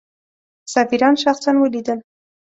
سفیران شخصا ولیدل.